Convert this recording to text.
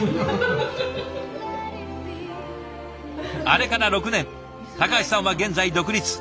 あれから６年高橋さんは現在独立。